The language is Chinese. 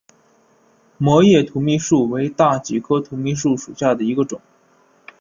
膜叶土蜜树为大戟科土蜜树属下的一个种。